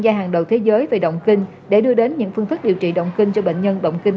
đây là bước tiến lớn với sự phối hợp giữa các chuyên gia về nội thần kinh